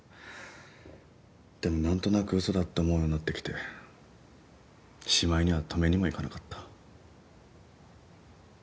でも何となくうそだって思うようになってきてしまいには止めにもいかなかった。